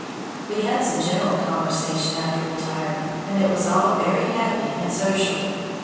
We had some general conversation after retiring, and it was all very happy and sociable.